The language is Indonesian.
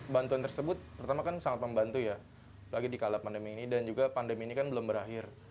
bantuan tersebut pertama kan sangat membantu ya apalagi di kala pandemi ini dan juga pandemi ini kan belum berakhir